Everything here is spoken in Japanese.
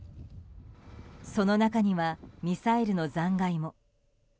その中には、ミサイルの残骸も。